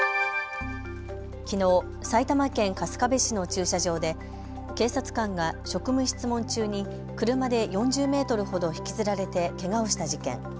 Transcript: きのう、埼玉県春日部市の駐車場で警察官が職務質問中に車で４０メートルほど引きずられてけがをした事件。